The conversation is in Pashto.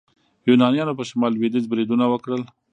یونانیانو په شمال لویدیځ بریدونه وکړل.